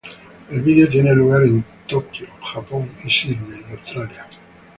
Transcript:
El vídeo tiene lugar en Tokyo, Japón y Sydney, Australia.